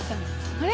あれ？